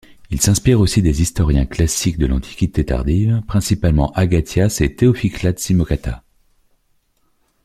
Il s'inspire aussi des historiens classiques de l'Antiquité tardive, principalement Agathias et Théophylacte Simocatta.